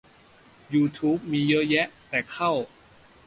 ยูทูบมีเยอะแยะ แต่เข้า